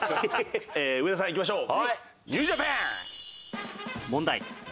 上田さんいきましょう。